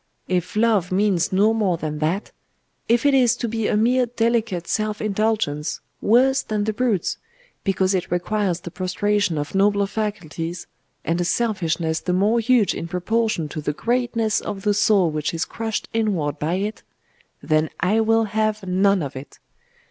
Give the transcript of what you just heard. If love means no more than that if it is to be a mere delicate self indulgence, worse than the brute's, because it requires the prostration of nobler faculties, and a selfishness the more huge in proportion to the greatness of the soul which is crushed inward by it then I will have none of it!